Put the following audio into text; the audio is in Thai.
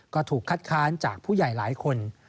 ก็ถูกคัดค้านจากผู้ใหญ่หลายคน